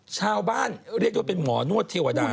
ชาวบ้านเรียกได้ว่าเป็นหมอนวดเทวดา